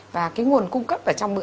và cái nguồn cung cấp ở trong bữa ăn